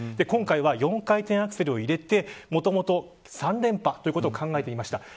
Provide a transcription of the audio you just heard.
今回は、４回転アクセルを入れてもともと３連覇ということを考えていました。